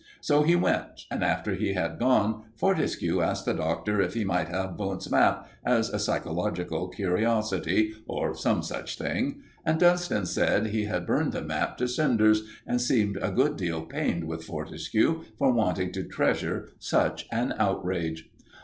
So he went, and after he had gone, Fortescue asked the Doctor if he might have Wundt's map, as a psychological curiosity, or some such thing, and Dunston said he had burned the map to cinders, and seemed a good deal pained with Fortescue for wanting to treasure such an outrage.